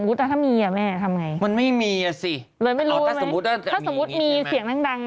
ปรึกษาพี่หนุ่มไม่ได้เลยน้องเกียวไอ้ดูนี่